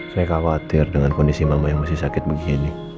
saya khawatir dengan kondisi mama yang masih sakit begini